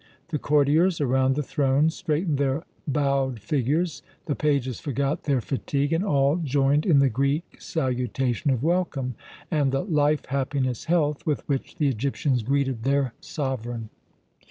The courtiers around the throne straightened their bowed figures, the pages forgot their fatigue, and all joined in the Greek salutation of welcome, and the "Life! happiness! health!" with which the Egyptians greeted their sovereign.